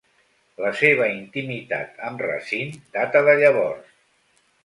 La seva intimitat amb Racine data de llavors.